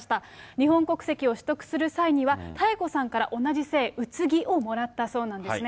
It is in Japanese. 日本国籍を取得する際には、妙子さんから同じ姓、宇津木をもらったそうなんですね。